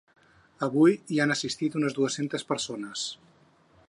Avui hi han assistit unes dues-centes persones.